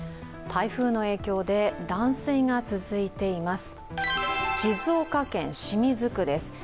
台風の影響で断水が続いています。